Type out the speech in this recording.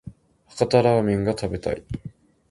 博多ラーメンが食べたい